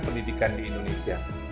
pendidikan di indonesia